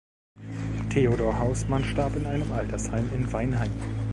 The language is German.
Theodor Hausmann starb in einem Altersheim in Weinheim.